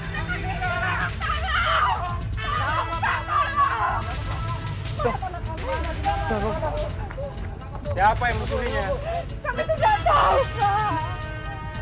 kami tidak tahu pak